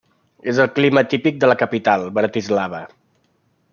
És el clima típic de la capital, Bratislava.